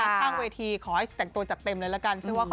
ข้างเวทีขอให้แต่งตัวจัดเต็มเลยละกัน